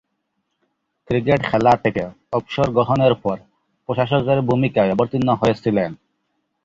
Cricket খেলা থেকে অবসর গ্রহণের পর প্রশাসকের ভূমিকায় অবতীর্ণ হয়েছিলেন।